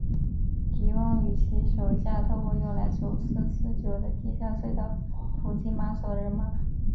狄翁与其手下透过用来走私私酒的地下隧道伏击马索的人马。